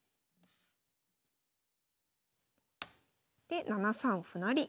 で７三歩成。